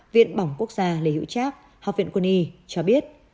viện bỏng quốc gia lê hữu trác cho biết